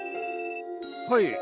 はい。